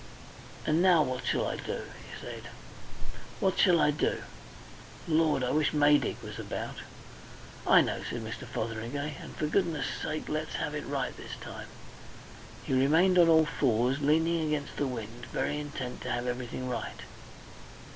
And now what shall I do?" he said. "What shall I do? Lord! I wish Maydig was about." "I know," said Mr. Fotheringay. "And for goodness' sake let's have it right this time." He remained on all fours, leaning against the wind, very intent to have everything right.